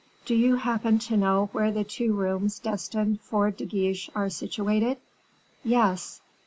"Do you happen to know where the two rooms destined for De Guiche are situated?" "Yes."